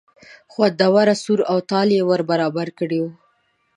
خوندور سور و تال یې ور برابر کړی و.